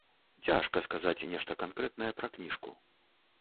Цяжка сказаць нешта канкрэтнае пра кніжку.